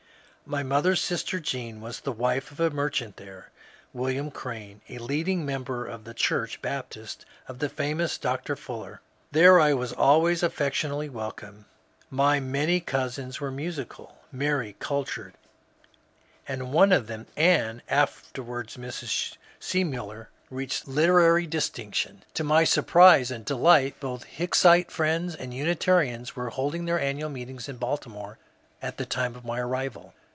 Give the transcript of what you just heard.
My mother's sister Jean was the wife of a merchant there, William Crane, a leading member of the church (Baptist) of the famous Dr. Fuller. There I was always affectionately wel comed. My many cousins were musical, merry, cultured, and one of them — Anne, afterwards Mrs. Seemuller — reached literary distinction. To my surprise and delight both Hicksite Friends and Uni tarians were holding their annual meetings in Baltimore at the time of my arrival.